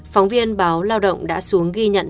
phóng viên báo lao động đã xuống ghi nhận